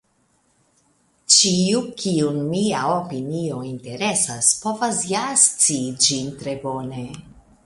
Ĉiu, kiun mia opinio interesas, povas ja scii ĝin tre bone.